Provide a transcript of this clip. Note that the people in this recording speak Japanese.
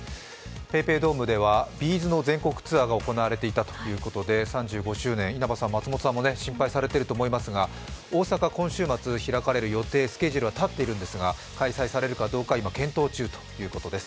ＰａｙＰａｙドームではＢ’ｚの全国ツアーが行われていたということで３５周年、稲葉さん、松本さんも心配されていますが、大阪、今週末開かれる予定、スケジュールが立っているんですが開催されるかどうか、今、検討中ということです。